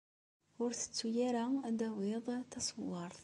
Ur tettu ara ad tawiḍ taṣewwart.